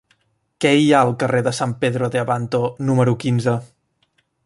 Què hi ha al carrer de San Pedro de Abanto número quinze?